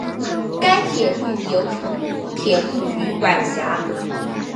该铁路由成都铁路局管辖。